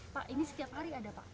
pak ini setiap hari ada pak